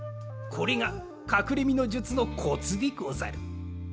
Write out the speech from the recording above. これがかくれ身の術のコツでござる。